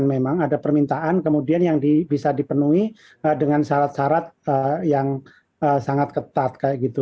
memang ada permintaan kemudian yang bisa dipenuhi dengan syarat syarat yang sangat ketat kayak gitu